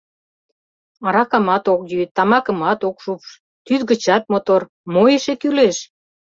Аракамат ок йӱ, тамакымат ок шупш, тӱс гычат мотор, мо эше кӱлеш?